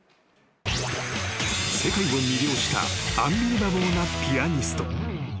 ［世界を魅了したアンビリバボーなピアニスト］